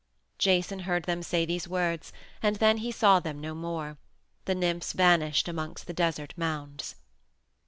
Jason heard them say these words and then he saw them no more; the nymphs vanished amongst the desert mounds.